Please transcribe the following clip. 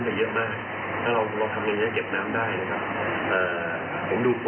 มีวิธีหลายวิธีเช่นขุดรอบให้มันเลี้ยงขึ้นเอ่อขยายพื้นที่ที่ถูกบุกรุบ